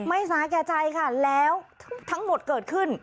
สาแก่ใจค่ะแล้วทั้งหมดเกิดขึ้น